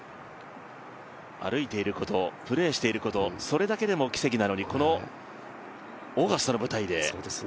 歩いていること、プレーしていること、それだけでも奇跡なのにこのオーガスタの舞台で。